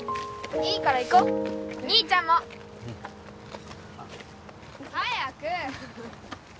いいから行こ兄ちゃんも早く！